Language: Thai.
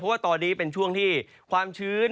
เพราะว่าตอนนี้เป็นช่วงที่ความชื้น